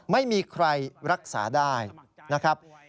ไม่มีใครรักษาได้นะครับ